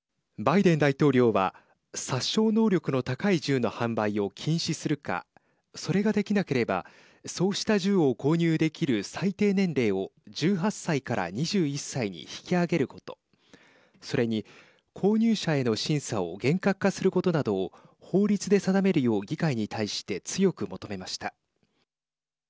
バイデン大統領は殺傷能力の高い銃の販売を禁止するかそれができなければそうした銃を購入できる最低年齢を１８歳から２１歳に引き上げることそれに、購入者への審査を厳格化することなどを法律で定めるよう議会に対して、強く求めました。